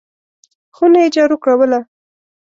خونه یې جارو کوله !